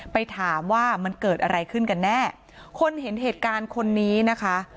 ไปถามว่ามันเกิดอะไรขึ้นกันแน่คนเห็นเหตุการณ์คนนี้นะคะ